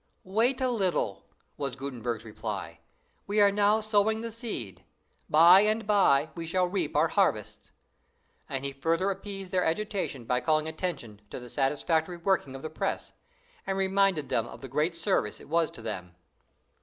"Wait a little," was Gutenberg's reply; "we are now sowing the seed; by and by we shall reap our harvests." And he further appeased their agitation by calling attention to the satisfactory working of the press, and reminded them of the great service it was to them.